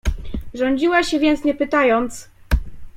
"Rządziła się więc nie pytając..."